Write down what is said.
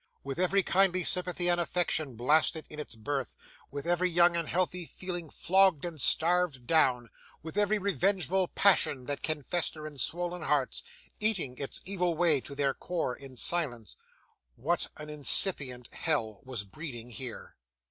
With every kindly sympathy and affection blasted in its birth, with every young and healthy feeling flogged and starved down, with every revengeful passion that can fester in swollen hearts, eating its evil way to their core in silence, what an incipient Hell was breeding here!